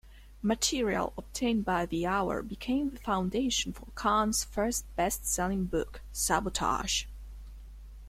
Material obtained by "The Hour" became the foundation for Kahn's first best-selling book, "Sabotage!